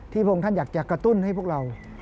ที่พวกท่านอยากจะกระตุ้นให้พวกเรา